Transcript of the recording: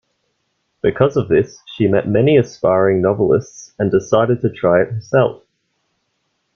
Because of this, she met many aspiring novelists and decided to try it herself.